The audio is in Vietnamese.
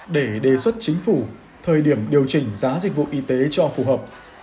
để đề xuất chính phủ thời điểm điều chỉnh giá dịch vụ y tế cho phù hợp